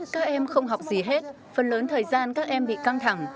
các em không học gì hết phần lớn thời gian các em bị căng thẳng